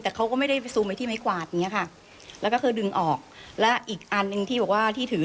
แต่เขาก็ไม่ได้ไปซูมไว้ที่ไม้กวาดอย่างนี้ค่ะ